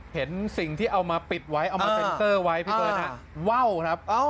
เห็นสิ่งที่เอามาปิดไว้เอามาเซ็นเซอร์ไว้พี่เบิร์ตนะว่าวครับ